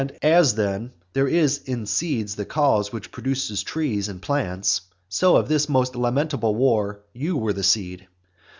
As, then, there is in seeds the cause which produces trees and plants, so of this most lamentable war you were the seed.